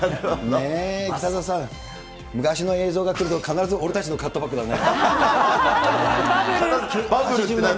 北澤さん、昔の映像がくると、必ず俺たちのカットバックだね。